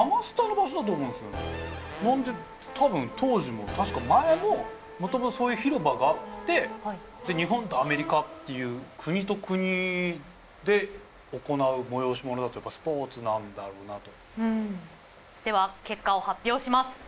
なので多分当時も確か前ももともとそういう広場があってで日本とアメリカっていう国と国で行う催し物だとやっぱスポーツなんだろうなと。